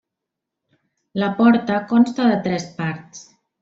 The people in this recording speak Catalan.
La porta consta de tres parts.